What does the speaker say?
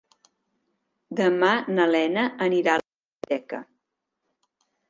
Demà na Lena anirà a la biblioteca.